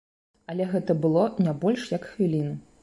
Але гэта было не больш як хвіліну.